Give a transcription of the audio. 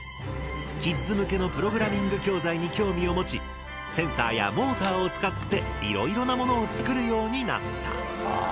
キッズ向けのプログラミング教材に興味を持ちセンサーやモーターを使っていろいろなものを作るようになった。